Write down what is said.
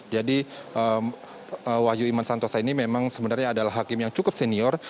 jadi wahyu iman santosa ini memang sebenarnya adalah hakim yang cukup senior